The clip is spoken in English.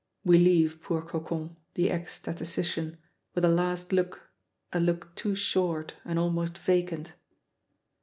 We leave poor Cocon, the ex statistician, with a last look, a look too short and almost vacant.